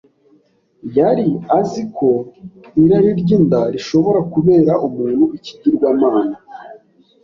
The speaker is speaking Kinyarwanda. Yari azi ko irari ry’inda rishobora kubera umuntu ikigirwamana,